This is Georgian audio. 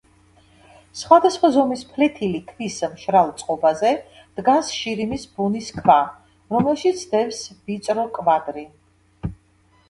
სხვადასხვა ზომის ფლეთილი ქვის მშრალ წყობაზე დგას შირიმის ბუნის ქვა, რომელშიც დევს ვიწრო კვადრი.